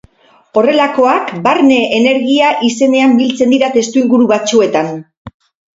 Horrelakoak barne-energia izenean biltzen dira testuinguru batzuetan.